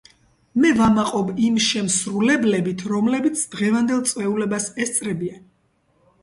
მე ვამაყობ იმ შემსრულებლებით, რომლებიც დღევანდელ წვეულებას ესწრებიან.